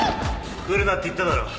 来るなって言っただろ。